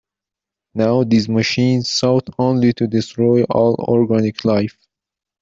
Now these machines sought only to destroy all organic life.